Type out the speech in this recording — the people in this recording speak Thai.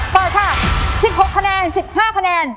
เปิดค่ะ๑๖คะแนน๑๕คะแนน